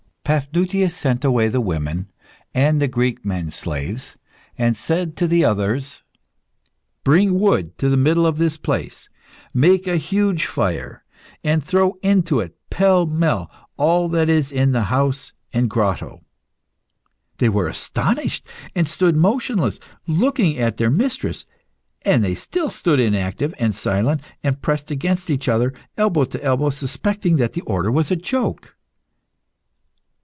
Paphnutius sent away the women and the Greek men slaves, and said to the others "Bring wood to the middle of this place, make a huge fire, and throw into it pell mell all that there is in the house and grotto." They were astonished, and stood motionless, looking at their mistress. And they still stood inactive and silent, and pressed against each other, elbow to elbow, suspecting that the order was a joke.